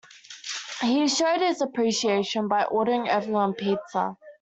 He showed his appreciation by ordering everyone pizza.